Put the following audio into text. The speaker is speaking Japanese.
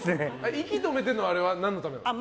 息止めてるのは何のためなんですか？